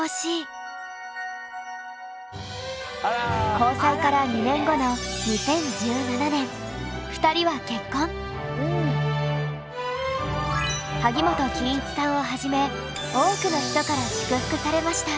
交際から２年後の萩本欽一さんをはじめ多くの人から祝福されました。